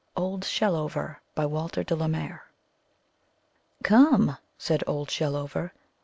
OLD SHELLOVER* Walter de la Mare ''Come !" said Old Shellover.